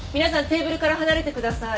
テーブルから離れてください。